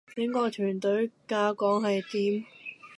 整個團隊架構係點?